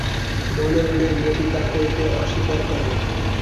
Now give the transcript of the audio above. মনে মনে মতি তা করিতে অস্বীকার করে।